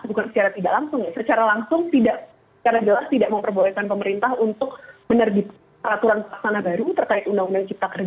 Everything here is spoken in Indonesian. bukan secara tidak langsung secara langsung tidak memperbolehkan pemerintah untuk menerbitkan peraturan pelaksanaan baru terkait undang undang cipta